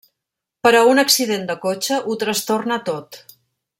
Però un accident de cotxe ho trastorna tot.